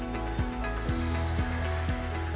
pada hari ini